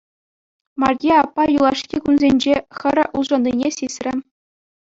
Марье аппа юлашки кунсенче хӗрӗ улшӑннине сисрӗ.